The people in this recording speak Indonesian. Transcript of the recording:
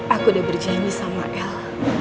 aku udah berjanji sama el